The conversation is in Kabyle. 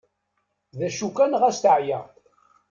D acu kan ɣas teɛya.